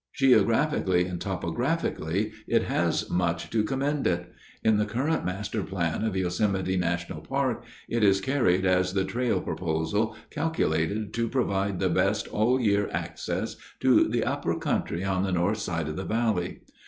Geographically and topographically it has much to commend it; in the current master plan of Yosemite National Park it is carried as the trail proposal calculated "to provide the best all year access to the upper country on the north side of the valley."